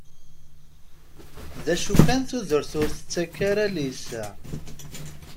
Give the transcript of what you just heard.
D acu kan tudert ur tettak ara liseɛ.